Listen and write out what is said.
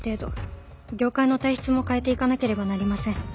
業界の体質も変えていかなければなりません。